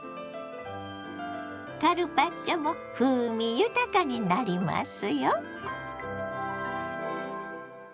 カルパッチョも風味豊かになりますよ。